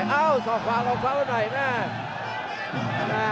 เอ้าศอกขวาของพระวันใหม่น่า